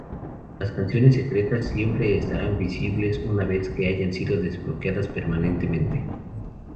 Las canciones secretas siempre estarán visibles una vez que hayan sido desbloqueadas permanentemente.